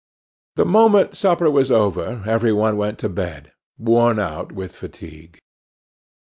The moment supper was over every one went to bed, worn out with fatigue.